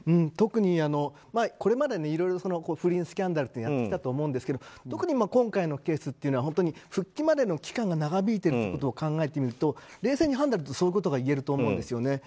特にこれまでいろいろ不倫スキャンダルってやってきたと思うんですけど特に今回のケースというのは本当に復帰までの期間が長引いてることを考えてみると冷静に判断するとそういうことが言えると思うんです。